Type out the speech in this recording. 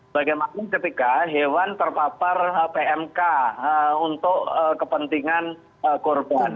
bagaimana ketika hewan terpapar pmk untuk kepentingan korban